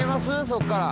そっから。